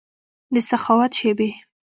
دسخاوت شیبې